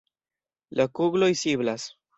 La kugloj siblas.